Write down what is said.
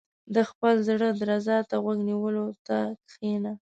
• د خپل زړۀ درزا ته غوږ نیولو ته کښېنه.